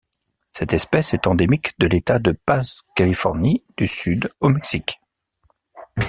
Cette espèce est endémique de l’État de Basse-Californie du Sud au Mexique.